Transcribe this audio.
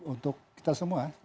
untuk kita semua